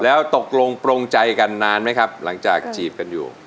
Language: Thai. แล้วตกลงโปรงใจกันนานไหมครับหลังจากจีบกันอยู่